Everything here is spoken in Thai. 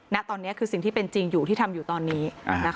ณตอนนี้คือสิ่งที่เป็นจริงอยู่ที่ทำอยู่ตอนนี้